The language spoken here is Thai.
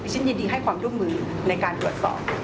ฉันยินดีให้ความร่วมมือในการตรวจสอบ